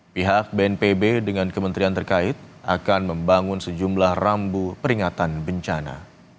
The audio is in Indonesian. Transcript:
pihak bnpb dengan kementerian terkait akan membangun sejumlah rambu peringatan bencana